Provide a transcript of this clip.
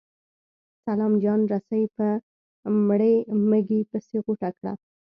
سلام جان رسۍ په مړې مږې پسې غوټه کړه.